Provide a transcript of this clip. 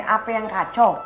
apa yang kacau